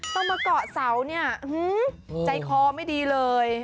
ต้องมาเกาะเสาเนี่ยใจคอไม่ดีเลย